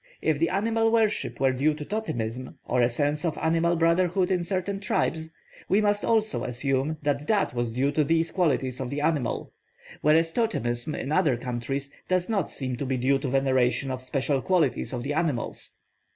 If the animal worship were due to totemism, or a sense of animal brotherhood in certain tribes, we must also assume that that was due to these qualities of the animal; whereas totemism in other countries does not seem to be due to veneration of special qualities of the animals.